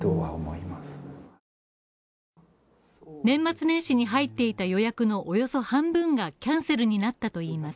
年末年始に入っていた予約のおよそ半分がキャンセルになったといいます